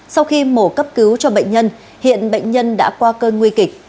sau khi mổ cấp cứu cho bệnh nhân hiện bệnh nhân đã qua cơn nguy kịch